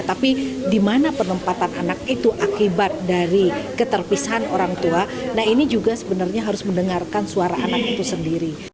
tapi di mana penempatan anak itu akibat dari keterpisahan orang tua nah ini juga sebenarnya harus mendengarkan suara anak itu sendiri